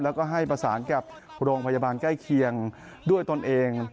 แล้วก็ให้ประสานกับโรงพยาบาลใกล้เคียงด้วยตนเอง